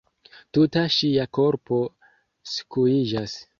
Tuta ŝia korpo skuiĝas.